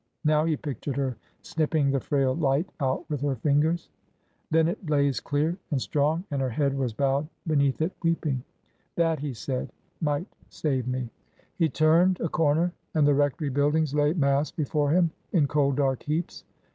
Now he pictured her snipping the frail light out with her fingers. Then it blazed clear and strong, and her head was bowed beneath it weeping. " That," he said, " might save me." 28* 't .1 330 TRANSITION. He turned a corner and the rectory buildings lay massed before him in cold, dark heaps.